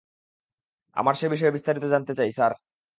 আমার সে বিষয়ে বিস্তারিত জানতে চাই, স্যার।